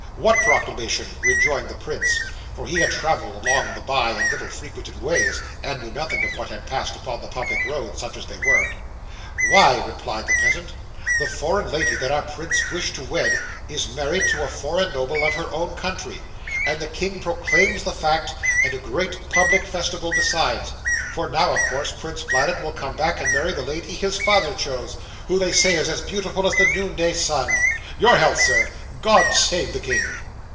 What proclamation?" rejoined the prince for he had travelled along the by and little frequented ways, and knew nothing of what had passed upon the public roads, such as they were. '"Why," replied the peasant, "the foreign lady that our prince wished to wed, is married to a foreign noble of her own country, and the king proclaims the fact, and a great public festival besides; for now, of course, Prince Bladud will come back and marry the lady his father chose, who they say is as beautiful as the noonday sun. Your health, sir. God save the king!"